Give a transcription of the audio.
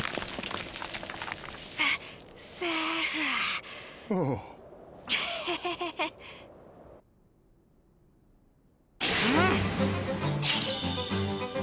セセーフエヘヘヘヘムン！